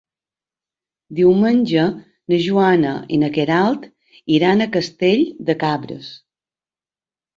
Diumenge na Joana i na Queralt iran a Castell de Cabres.